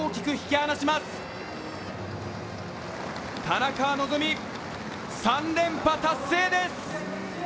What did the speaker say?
田中希実、３連覇達成です！